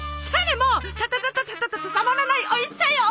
もうタタタタタマらないおいしさよ！